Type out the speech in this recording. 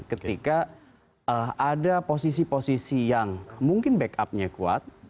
ketika ada posisi posisi yang mungkin back up nya kuat